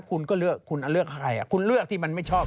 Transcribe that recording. คุณก็เลือกคุณเลือกใครคุณเลือกที่มันไม่ชอบ